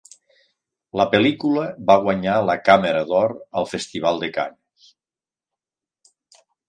La pel·lícula va guanyar la Càmera d'Or al Festival de Canes.